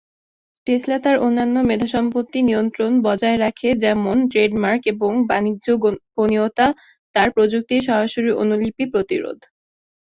Tesla তার অন্যান্য মেধা সম্পত্তির নিয়ন্ত্রণ বজায় রাখে যেমন ট্রেডমার্ক এবং বাণিজ্য গোপনীয়তা তার প্রযুক্তির সরাসরি অনুলিপি প্রতিরোধ।